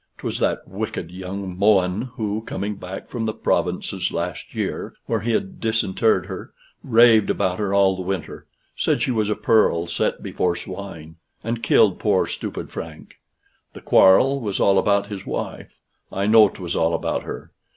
'Twas that wicked young Mohun who, coming back from the provinces last year, where he had disinterred her, raved about her all the winter; said she was a pearl set before swine; and killed poor stupid Frank. The quarrel was all about his wife. I know 'twas all about her.